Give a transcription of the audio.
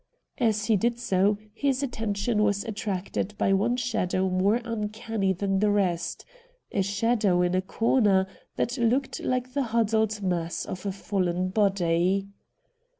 As he did so his attention was attracted by one shadow more uncanny than the rest — a shadow in a corner that looked like the huddled mass of a fallen body.